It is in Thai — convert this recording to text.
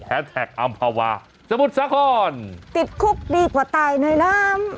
แท็กอำภาวาสมุทรสาครติดคุกดีกว่าตายในน้ำ